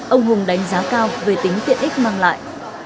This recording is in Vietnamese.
ông hùng đánh giá cao về tính tiện ích mang lại